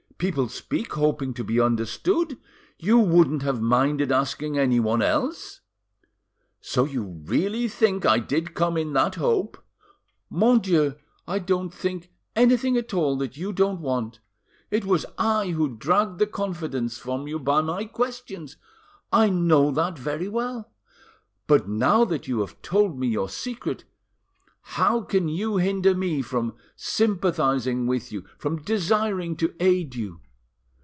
People speak hoping to be understood. You wouldn't have minded asking anyone else." "So you really think I did come in that hope?" "Mon Dieu! I don't think anything at all that you don't want. It was I who dragged the confidence from you by my questions, I know that very well. But now that you have told me your secret, how can you hinder me from sympathising with you, from desiring to aid you?